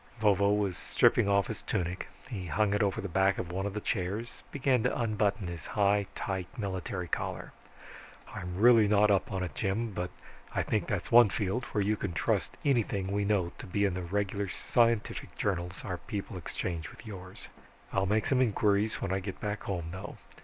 Vovo was stripping off his tunic. He hung it over the back of one of the chairs, began to unbutton his high, tight military collar. "I'm not really up on it, Jim, but I think that's one field where you can trust anything we know to be in the regular scientific journals our people exchange with yours. I'll make some inquiries when I get back home, though.